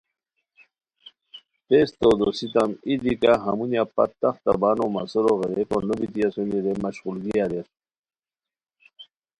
تیز تو دوسیتام ای دی کا ہمونیہ پت تختہ بانو مہ سورو غیرئیکو نو بیتی اسونی رے مشقولگی اریر